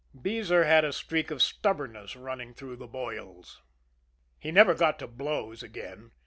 Beezer had a streak of stubbornness running through the boils. He never got to blows again.